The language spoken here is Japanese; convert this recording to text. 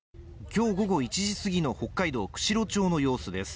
今日午後１時過ぎの北海道釧路町の様子です。